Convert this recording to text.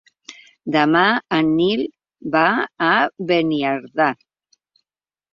Demà en Nil va a Beniardà.